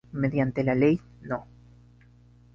Mediante la Ley No.